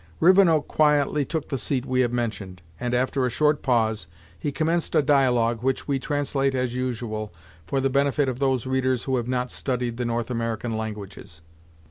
Rivenoak quietly took the seat we have mentioned, and, after a short pause, he commenced a dialogue, which we translate as usual, for the benefit of those readers who have not studied the North American languages.